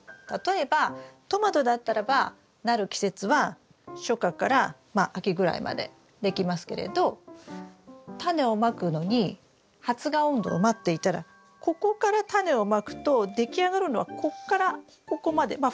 例えばトマトだったらばなる季節は初夏からまあ秋ぐらいまでできますけれどタネをまくのに発芽温度を待っていたらここからタネをまくとでき上がるのはここからここまで。